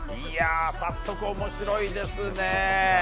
早速面白いですね。